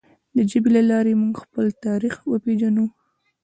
د ژبې له لارې موږ خپل تاریخ وپیژنو.